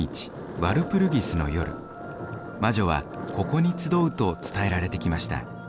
ワルプルギスの夜魔女はここに集うと伝えられてきました。